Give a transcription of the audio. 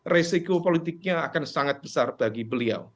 resiko politiknya akan sangat besar bagi beliau